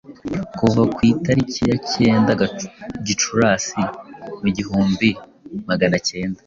kuva ku itariki ya cyenda Gicurasi mugihumbi maganacyenda